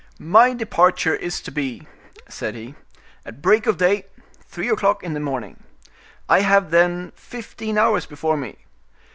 "My departure is to be," said he, "at break of day, three o'clock in the morning; I have then fifteen hours before me.